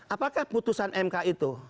apakah putusan mk itu